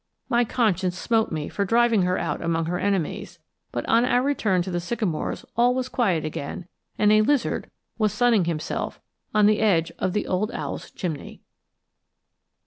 My conscience smote me for driving her out among her enemies, but on our return to the sycamores all was quiet again, and a lizard was sunning himself on the edge of the old owl's chimney.